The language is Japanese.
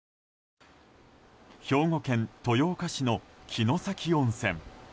兵庫県豊岡市の城崎温泉。